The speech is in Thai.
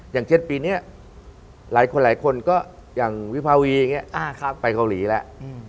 อย่างเช่นปีนี้หลายคนก็อย่างวิภาวีอย่างนี้ไปเกาหลีแล้ว